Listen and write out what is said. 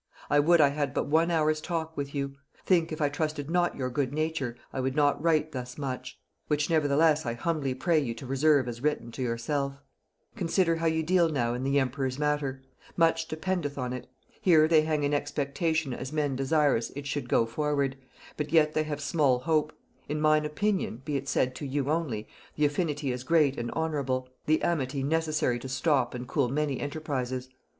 I would I had but one hour's talk with you. Think if I trusted not your good nature, I would not write thus much; which nevertheless I humbly pray you to reserve as written to yourself. "Consider how ye deal now in the emperor's matter: much dependeth on it. Here they hang in expectation as men desirous it should go forward, but yet they have small hope: In mine opinion (be it said to you only) the affinity is great and honorable: The amity necessary to stop and cool many enterprises.